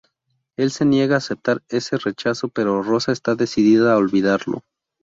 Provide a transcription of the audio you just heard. Él se niega a aceptar ese rechazo pero Rosa está decidida a olvidarlo.